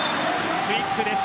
クイックです。